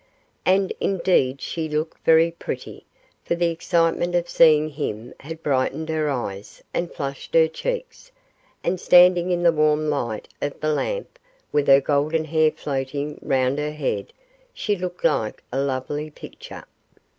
And indeed she looked very pretty, for the excitement of seeing him had brightened her eyes and flushed her cheeks, and standing in the warm light of the lamp, with her golden hair floating round her head, she looked like a lovely picture.